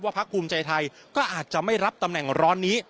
พักภูมิใจไทยก็อาจจะไม่รับตำแหน่งร้อนนี้